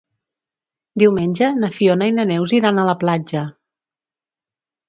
Diumenge na Fiona i na Neus iran a la platja.